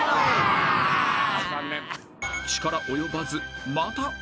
［力及ばずまたＯＢ］